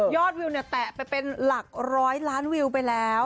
วิวเนี่ยแตะไปเป็นหลักร้อยล้านวิวไปแล้ว